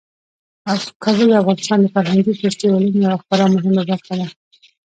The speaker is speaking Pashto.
کابل د افغانستان د فرهنګي فستیوالونو یوه خورا مهمه برخه ده.